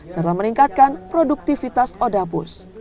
serta meningkatkan produktivitas odaapus